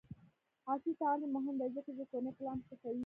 عصري تعلیم مهم دی ځکه چې د کورنۍ پلان ښه کوي.